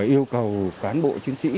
yêu cầu cán bộ chiến sĩ